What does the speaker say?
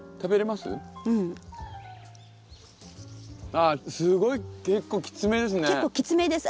あすごい結構きつめですね。